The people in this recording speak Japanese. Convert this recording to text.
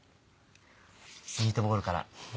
ミートボールから。